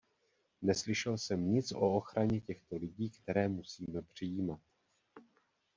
Neslyšel jsem nic o ochraně těchto lidí, které musíme přijímat.